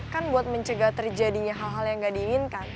kan buat mencegah terjadinya hal hal yang nggak diinginkan